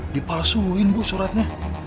dipalsuin bu suratnya